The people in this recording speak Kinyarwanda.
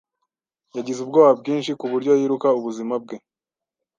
Yagize ubwoba bwinshi kuburyo yiruka ubuzima bwe.